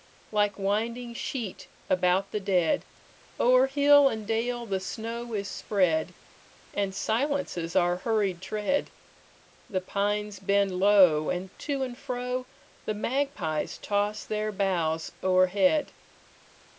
Like winding sheet about the dead, O'er hill and dale the snow is spread, And silences our hurried tread; The pines bend low, and to and froThe magpies toss their boughs o'erhead.